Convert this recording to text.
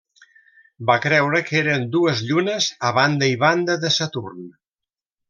Va creure que eren dues llunes a banda i banda de Saturn.